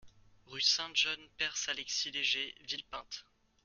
Rue Saint-John Perse Alexis Léger, Villepinte